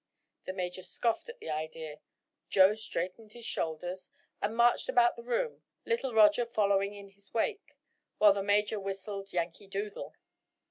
The major scoffed at the idea. Joe straightened his shoulders, and marched about the room, little Roger following in his wake, while the major whistled "Yankee Doodle."